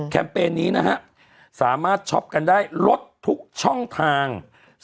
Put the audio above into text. เปญนี้นะฮะสามารถช็อปกันได้ลดทุกช่องทาง